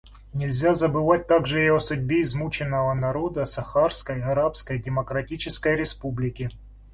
Нельзя забывать также и о судьбе измученного народа Сахарской Арабской Демократической Республики.